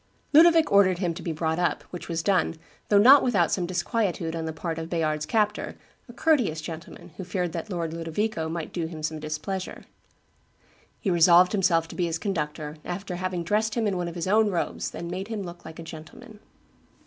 Ludovic ordered him to be brought up, which was done, though not without some disquietude on the part of Bayard's captor, "a courteous gentleman, who feared that Lord Ludovico might do him some displeasure." He resolved himself to be his conductor, after having dressed him in one of his own robes and made him look like a gentleman.